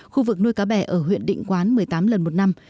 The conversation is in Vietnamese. khu vực nuôi cá bè ở huyện định quán một mươi tám lần một năm